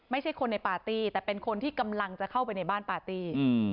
ไม่ใช่คนในปาร์ตี้แต่เป็นคนที่กำลังจะเข้าไปในบ้านปาร์ตี้